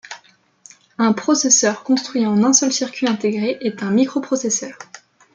Un processeur construit en un seul circuit intégré est un microprocesseur.